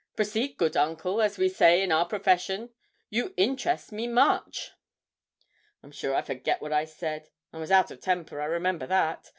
'Proceed, good uncle, as we say in our profession; you interest me much!' 'I'm sure I forget what I said I was out of temper, I remember that.